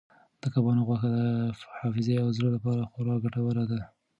د کبانو غوښه د حافظې او زړه لپاره خورا ګټوره ده.